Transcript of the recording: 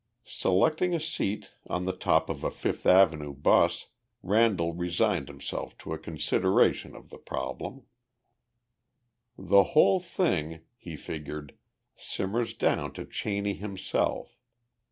Selecting a seat on the top of a Fifth Avenue bus, Randall resigned himself to a consideration of the problem. "The whole thing," he figured, "simmers down to Cheney himself.